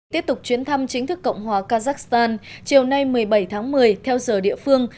tiếp tục chuyến thăm chính thức cộng hòa kazakhstan chiều nay một mươi bảy tháng một mươi theo giờ địa phương